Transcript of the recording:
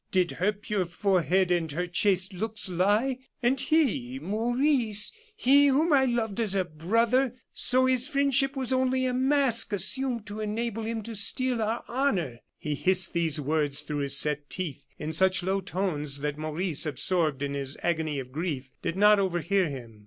Did her pure forehead and her chaste looks lie? And he Maurice he whom I loved as a brother! So, his friendship was only a mask assumed to enable him to steal our honor!" He hissed these words through his set teeth in such low tones that Maurice, absorbed in his agony of grief, did not overhear him.